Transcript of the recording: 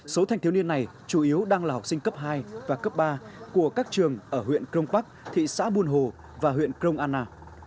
số thanh thiếu niên này chủ yếu đang là học sinh cấp hai và cấp ba của các trường ở huyện crong park thị xã buôn hồ và huyện krong anna